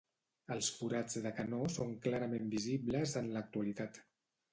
Els forats de canó són clarament visibles en l'actualitat.